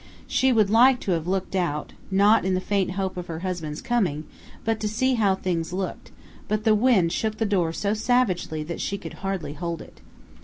She would like to have looked out, not in the faint hope of her husband's coming, but to see how things looked; but the wind shook the door so savagely that she could hardly hold it.